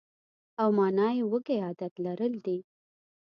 او مانا یې وږی عادت لرل دي.